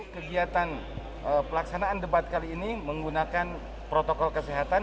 kegiatan pelaksanaan debat kali ini menggunakan protokol kesehatan